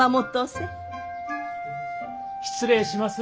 失礼します